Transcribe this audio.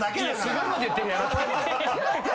すごいこと言ってるよ。